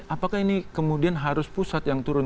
apakah ini kemudian harus pusat yang turun